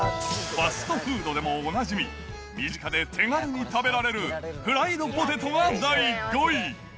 ファストフードでもおなじみ、身近で手軽に食べられるフライドポテトが第５位。